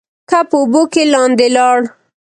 کب په اوبو کې لاندې لاړ.